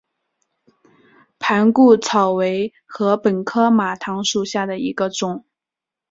盘固草为禾本科马唐属下的一个种。